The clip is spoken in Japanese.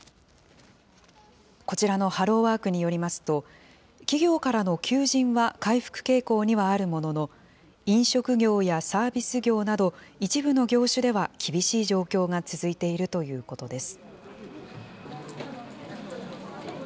こちらのハローワークによりますと、企業からの求人は回復傾向にはあるものの、飲食業やサービス業など、一部の業種では厳しい状況が続いているということです。